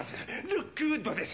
ルックウッドです